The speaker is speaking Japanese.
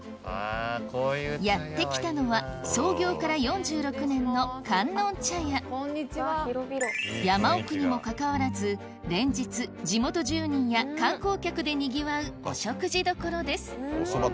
やって来たのは山奥にもかかわらず連日地元住人や観光客でにぎわうお食事どころです